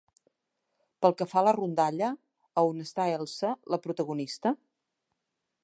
Pel que fa a la rondalla, a on està Elsa, la protagonista?